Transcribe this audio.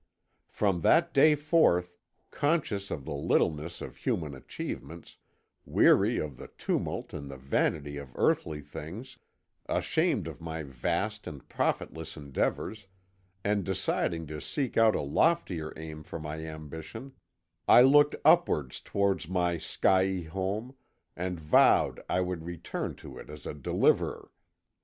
"From that day forth, conscious of the littleness of human achievements, weary of the tumult and the vanity of earthly things, ashamed of my vast and profitless endeavours, and deciding to seek out a loftier aim for my ambition, I looked upwards towards my skiey home and vowed I would return to it as a Deliverer.